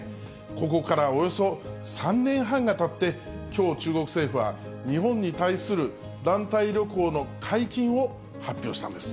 ここからおよそ３年半がたって、きょう、中国政府は日本に対する団体旅行の解禁を発表したんです。